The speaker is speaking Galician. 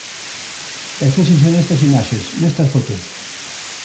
E fíxense nestas imaxes, nestas fotos.